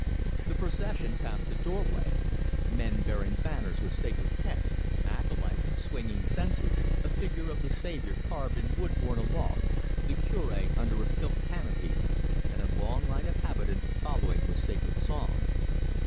The procession passed the doorway: men bearing banners with sacred texts, acolytes swinging censers, a figure of the Saviour carved in wood borne aloft, the Cure under a silk canopy, and a long line of habitants following with sacred song.